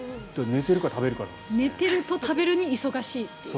寝てるのと食べるのに忙しい。